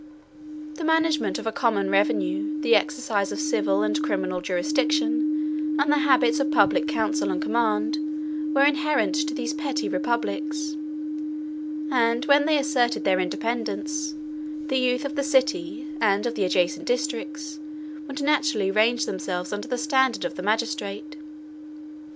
182 The management of a common revenue, the exercise of civil and criminal jurisdiction, and the habits of public counsel and command, were inherent to these petty republics; and when they asserted their independence, the youth of the city, and of the adjacent districts, would naturally range themselves under the standard of the magistrate.